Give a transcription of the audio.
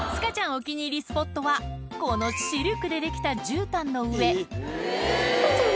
お気に入りスポットはこのシルクでできた絨毯の上スカちゃん